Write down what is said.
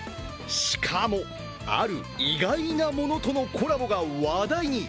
しかも、ある意外なものとのコラボが話題に。